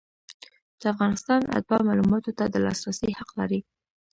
د افغانستان اتباع معلوماتو ته د لاسرسي حق لري.